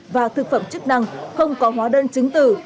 và thực phẩm chức năng không có hóa đơn chứng tử